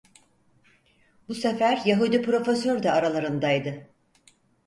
Bu sefer Yahudi profesör de aralarındaydı.